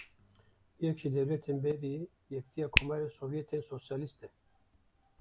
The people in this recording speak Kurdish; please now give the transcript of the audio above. Yek ji dewletên berê yê Yekîtiya Komarên Sovyet ên Sosyalîst e.